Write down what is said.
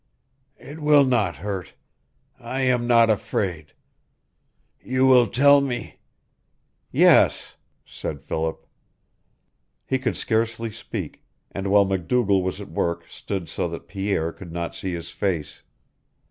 It will not hurt. I am not afraid. You will tell me " "Yes," said Philip. He could scarcely speak, and while MacDougall was at work stood so that Pierre could not see his face.